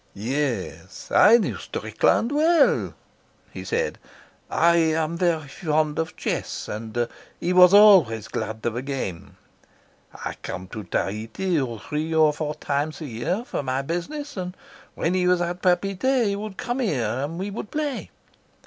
"Yes; I knew Strickland well," he said. "I am very fond of chess, and he was always glad of a game. I come to Tahiti three or four times a year for my business, and when he was at Papeete he would come here and we would play.